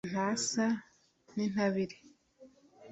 ntasa n’intabire